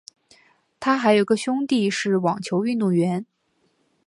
她还有个兄弟是网球运动员。